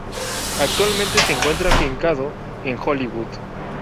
Actualmente se encuentra afincado en Hollywood.